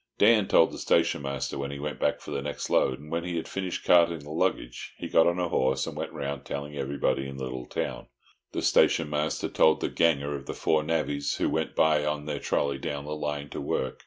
Dan told the station master when he went back for the next load, and when he had finished carting the luggage he got on a horse and went round telling everybody in the little town. The station master told the ganger of the four navvies who went by on their trolly down the line to work.